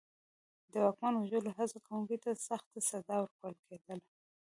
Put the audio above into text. د واکمن د وژلو هڅه کوونکي ته سخته سزا ورکول کېده.